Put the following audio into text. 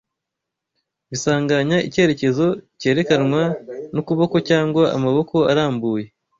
bisanganya icyerekezo cyerekanwa n'ukuboko cyangwa amaboko arambuye